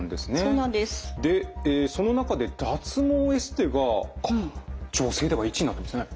でその中で脱毛エステが女性では１位になってますね。